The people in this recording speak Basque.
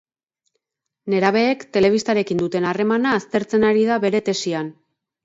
Nerabeek telebistarekin duten harremana aztertzen ari da bere tesian.